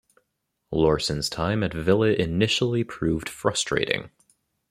Laursen's time at Villa initially proved frustrating.